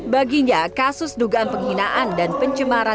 baginya kasus dugaan penghinaan dan pencemaran